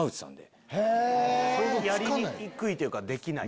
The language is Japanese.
やりにくいというかできない？